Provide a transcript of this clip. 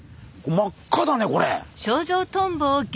真っ赤だねこれ。